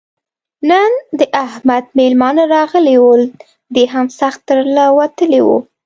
نن د احمد مېلمانه راغلي ول؛ دی هم سخت تر له وتلی وو.